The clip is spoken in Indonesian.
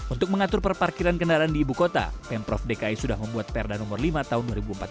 untuk mengatur perparkiran kendaraan di ibu kota pemprov dki sudah membuat perda nomor lima tahun dua ribu empat belas